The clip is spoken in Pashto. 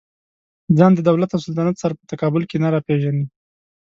ځان د دولت او سلطنت سره په تقابل کې نه راپېژني.